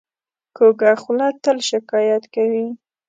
کوږه خوله تل شکایت کوي